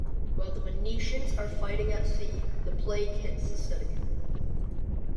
While the Venetians are fighting at sea, a plague hits the city.